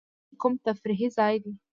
تا به وېل کوم تفریحي ځای دی.